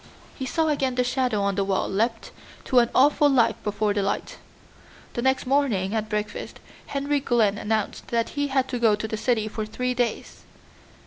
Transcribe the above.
He saw again the shadow on the wall leap to an awful life before the light. The next morning at breakfast Henry Glynn announced that he had to go to the city for three days.